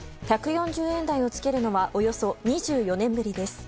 １４０円台をつけるのはおよそ２４年ぶりです。